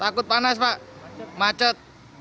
takut panas pak macet